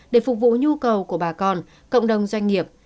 để phục vụ nhu cầu của bà con cộng đồng doanh nghiệp